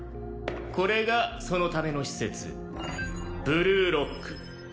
これがそのための施設ブルーロック。